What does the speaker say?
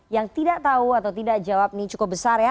yang tidak tahu atau tidak jawab ini cukup besar ya